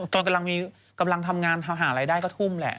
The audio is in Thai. ตอนกำลังทำงานหารายได้ก็ทุ่มแหละ